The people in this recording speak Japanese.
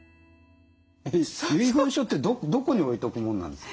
遺言書ってどこに置いとくもんなんですか？